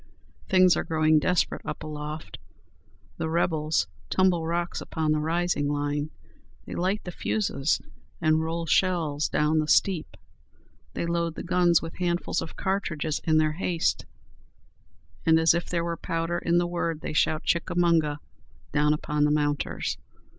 Things are growing desperate up aloft; the rebels tumble rocks upon the rising line; they light the fusees and roll shells down the steep; they load the guns with handfuls of cartridges in their haste; and as if there were powder in the word, they shout 'Chickamauga' down upon the mounters.